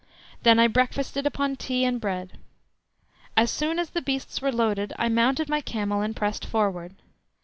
Then I breakfasted upon tea and bread. As soon as the beasts were loaded I mounted my camel and pressed forward.